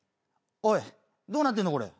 おいどうなってんのこれ。